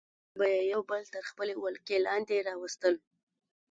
ځینو به یې یو بل تر خپلې ولکې لاندې راوستل.